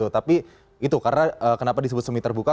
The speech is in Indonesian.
tapi itu karena kenapa disebut semi terbuka